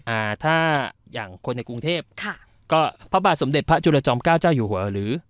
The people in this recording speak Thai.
อ่าถ้าอย่างคนในกรุงเทพค่ะก็พระบาทสมเด็จพระจุลจอมเก้าเจ้าอยู่หัวหรือ